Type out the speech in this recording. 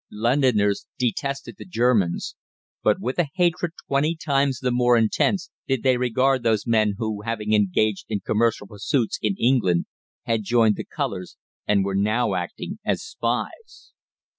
Londoners detested the Germans, but with a hatred twenty times the more intense did they regard those men who, having engaged in commercial pursuits in England, had joined the colours and were now acting as spies.